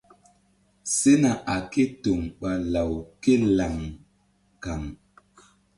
Sena a ké toŋ ɓa law ké laŋ kaŋ.